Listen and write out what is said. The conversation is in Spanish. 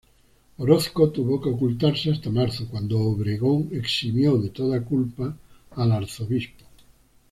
Orozco tuvo que ocultarse hasta marzo, cuando Obregón eximió de toda culpa al arzobispo.